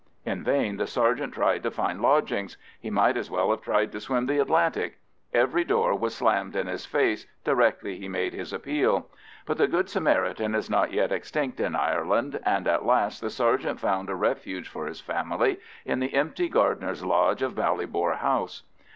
In vain the sergeant tried to find lodgings; he might as well have tried to swim the Atlantic. Every door was slammed in his face directly he made his appeal. But the good Samaritan is not yet extinct in Ireland, and at last the sergeant found a refuge for his family in the empty gardener's lodge of Ballybor House.